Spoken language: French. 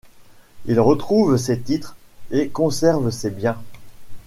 Il retrouve ses titres et conserve ses biens.